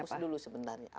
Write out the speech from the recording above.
kampus dulu sebenarnya